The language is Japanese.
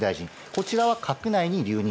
こちらは閣内に留任。